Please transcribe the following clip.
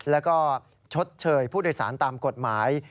แล้วก็ชดเชยผู้โดยสารตามกฎหมาย